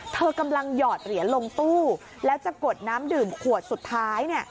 เธอกำลังหยอดเหรียญลงตู้แล้วจะกดน้ำดื่มขวดสุดท้ายเนี่ย